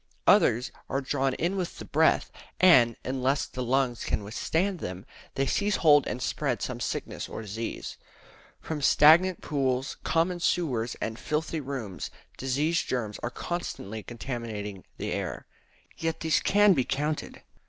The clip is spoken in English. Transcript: Others are drawn in with the breath; and, unless the lungs can withstand them, they seize hold and spread some sickness or disease. From stagnant pools, common sewers, and filthy rooms, disease germs are constantly contaminating the air. Yet these can be counted.